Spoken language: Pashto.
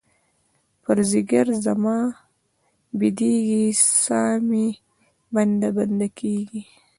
پر ځیګــر زما بیدیږې، سا مې بنده، بنده کیږې